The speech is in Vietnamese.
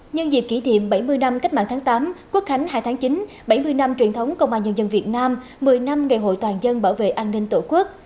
nhân dịp kỷ niệm bảy mươi năm cách mạng tháng tám quốc khánh hai tháng chín bảy mươi năm truyền thống công an nhân dân việt nam một mươi năm ngày hội toàn dân bảo vệ an ninh tổ quốc